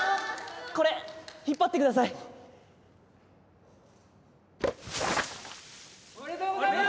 これ引っ張ってくださいおめでとうございます！